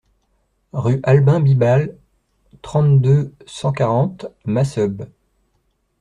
Rue Albin Bibal, trente-deux, cent quarante Masseube